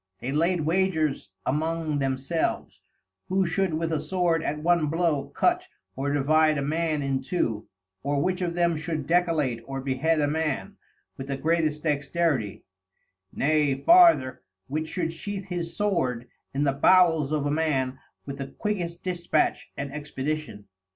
They laid Wagers among themselves, who should with a Sword at one blow cut, or divide a Man in two; or which of them should decollate or behead a Man, with the greatest dexterity; nay farther, which should sheath his Sword in the Bowels of a Man with the quickest dispatch and expedition.